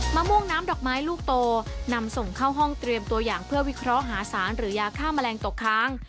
มะม่วงน้ำดอกไม้ลูกโตนำส่งเข้าห้องเตรียมตัวอย่างเพื่อวิเคราะห์หาสารหรือยาฆ่าแมลงตกค้าง